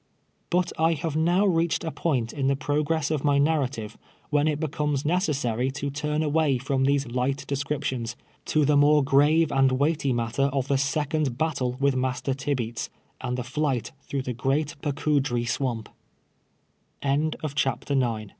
But I have now reached a point in the progress of my narrative, when it becomes necessary to turn away from tlicse liglit descriptions, to the more grave and weighty matter of the second battle with ]\[aster Tib eats, and the flight through th